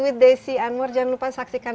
with desi anwar jangan lupa saksikan